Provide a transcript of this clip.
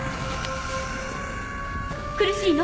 苦しいの？